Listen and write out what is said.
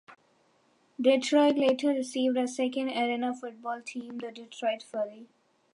Detroit later received a second Arena Football team, the Detroit Fury.